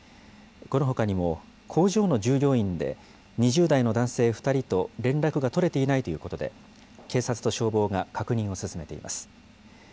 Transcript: このほかにも工場の従業員で、２０代の男性２人と連絡が取れていないということで、警察と消防が確認を進めています。